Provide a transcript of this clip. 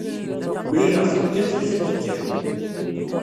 Mlaleɣ-t-id kan tlata n tikkal.